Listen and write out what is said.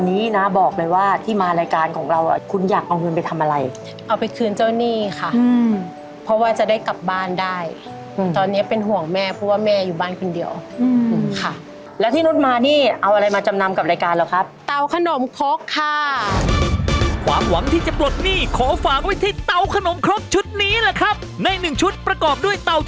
นี่คือเตาขนมคร็กที่ใช้อยู่ทุกวันใช่ค่ะอันนี้สำคัญกับเรายังไงบ้างคะสำคัญเพราะว่าเอาเงินทุนกั้นแรกอะคะมาลงทุนเตา